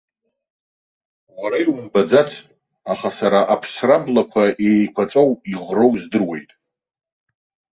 Уара иумбаӡацт, аха сара аԥсра аблақәа еиқәаҵәоу, иӷроу здыруеит.